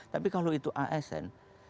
tapi kalau itu asn